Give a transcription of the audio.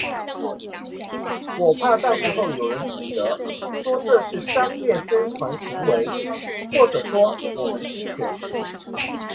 我怕到时候有人指责，说这是商业宣传行为或者说我们侵权